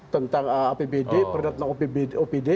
tentang apbd perda tentang opd